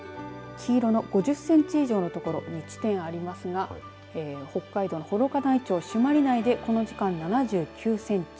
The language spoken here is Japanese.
黄色の５０センチ以上の所地点ありますが北海道の幌加内町朱鞠内でこの時間７９センチ。